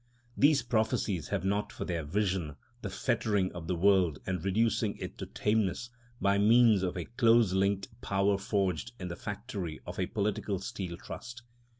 These prophecies have not for their vision the fettering of the world and reducing it to tameness by means of a close linked power forged in the factory of a political steel trust.